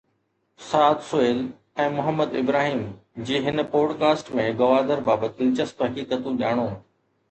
سعد سهيل ۽ محمد ابراهيم جي هن podcast ۾ Gwadar بابت دلچسپ حقيقتون ڄاڻو.